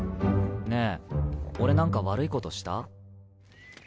ねぇ俺何か悪いことした？